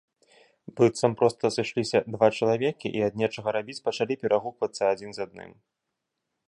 Быццам проста сышліся два чалавекі і, ад нечага рабіць, пачалі перагуквацца адзін з адным.